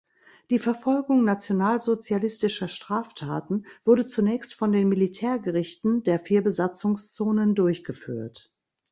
Die Verfolgung nationalsozialistischer Straftaten wurde zunächst von den Militärgerichten der vier Besatzungszonen durchgeführt.